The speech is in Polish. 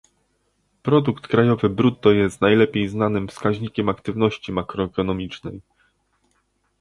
Produkt krajowy brutto jest najlepiej znanym wskaźnikiem aktywności makroekonomicznej